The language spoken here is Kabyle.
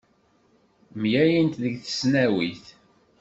Mlalent deg tesnawit.